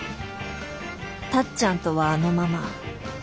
タッちゃんとはあのまま。